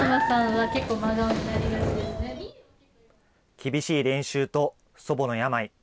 厳しい練習と祖母の病。